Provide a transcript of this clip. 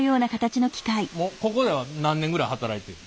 ここでは何年ぐらい働いてる？